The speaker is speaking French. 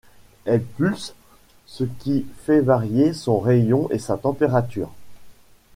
Elle pulse, ce qui fait varier son rayon et sa température.